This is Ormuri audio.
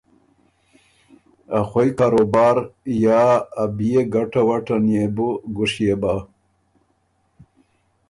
اخوئ کاروبار یا ا بيې ګټۀ وټه نيې بو ګُشيې بۀ۔